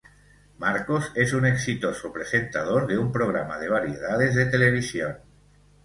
Marcos es un exitoso presentador de un programa de variedades de televisión.